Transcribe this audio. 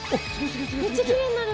めっちゃキレイになる！